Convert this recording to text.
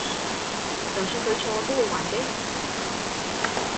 就算佢錯都會還擊？